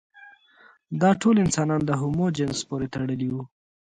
دا ټول انسانان د هومو جنس پورې تړلي وو.